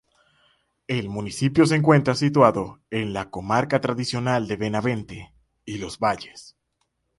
El municipio se encuentra situado en la comarca tradicional de Benavente y Los Valles.